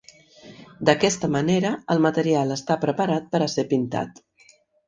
D'aquesta manera, el material està preparat per a ser pintat.